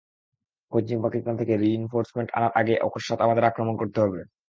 পশ্চিম পকিস্তান থেকে রিইনফোর্সমেন্ট আনার আগেই অকস্মাৎ আমাদের আক্রমণ করতে হবে।